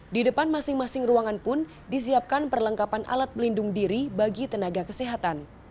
di depan masing masing ruangan pun disiapkan perlengkapan alat pelindung diri bagi tenaga kesehatan